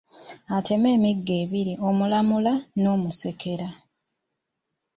Atema emiggo ebiri: omulamula n’omusekera.